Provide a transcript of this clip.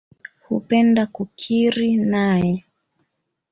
Hupenda kukiri nae.